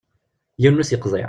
Yiwen ur t-yeqḍiɛ.